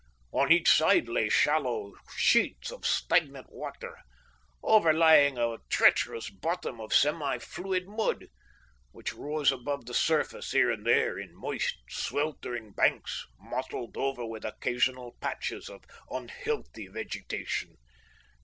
On each side lay shallow sheets of stagnant water overlying a treacherous bottom of semi fluid mud, which rose above the surface here and there in moist, sweltering banks, mottled over with occasional patches of unhealthy vegetation.